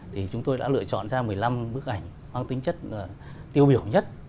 thì chúng tôi đã lựa chọn ra một mươi năm bức ảnh mang tính chất tiêu biểu nhất